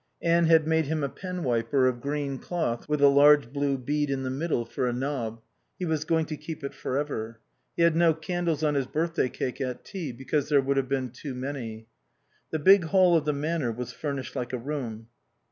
Anne had made him a penwiper of green cloth with a large blue bead in the middle for a knob. He was going to keep it for ever. He had no candles on his birthday cake at tea, because there would have been too many. The big hall of the Manor was furnished like a room.